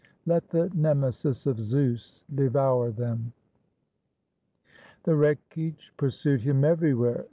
Let the nemesis of Zeus devour them! The wreckage pursued him everywhere.